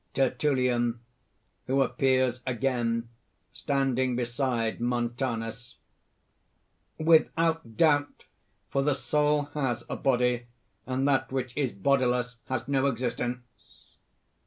_) TERTULLIAN (who appears again, standing beside Montanus): "Without doubt; for the soul has a body, and that which is bodiless has no existence."